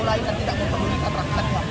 alu lainnya tidak memperlukan rakyat